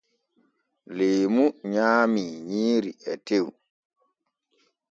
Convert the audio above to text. Leemu nyaamii nyiiri e tew.